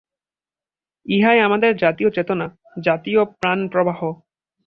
ইহাই আমাদের জাতীয় চেতনা, জাতীয় প্রাণপ্রবাহ।